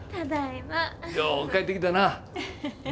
よう帰ってきたな。